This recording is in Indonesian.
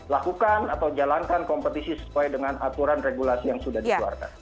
lakukan atau jalankan kompetisi sesuai dengan aturan regulasi yang sudah dikeluarkan